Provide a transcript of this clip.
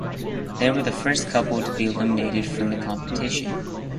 They were the first couple to be eliminated from the competition.